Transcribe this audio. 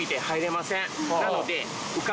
なので。